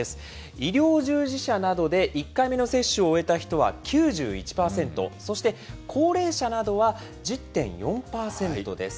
医療従事者などで１回目の接種を終えた人は９１％、そして高齢者などは１０．４％です。